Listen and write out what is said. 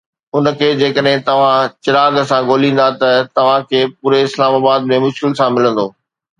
ان کي جيڪڏهن توهان چراغ سان ڳوليندا ته توهان کي پوري اسلام آباد ۾ مشڪل سان ملندو.